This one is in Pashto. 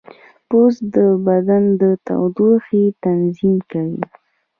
پوست د بدن د تودوخې تنظیم کوي.